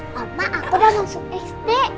mama aku udah masuk iste